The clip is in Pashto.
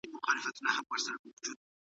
ناوړه عرفونه اکثره وخت کورنۍ ويجاړوي.